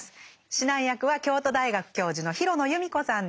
指南役は京都大学教授の廣野由美子さんです。